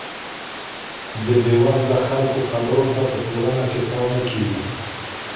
د بې وزلو خلګو خبرو ته په ټولنه کي پام نه کیږي.